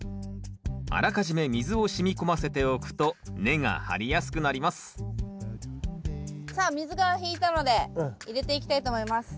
あらかじめ水をしみ込ませておくと根が張りやすくなりますさあ水が引いたので入れていきたいと思います。